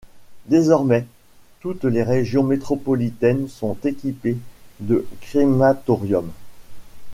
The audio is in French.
Désormais, toutes les régions métropolitaines sont équipées de crématoriums.